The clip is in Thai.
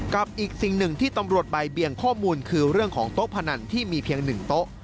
กับอีกสิ่งหนึ่งที่ตำรวจใบเบี่ยงข้อมูลคือเรื่องของโต๊ะพนันที่มีเพียง๑โต๊ะ